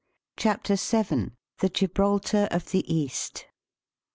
CHAPTEE Vn. THE GIBBALTAR OF THE EAST.